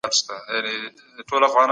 ډېر عضلات د ارام پر مهال کالوري سوځوي.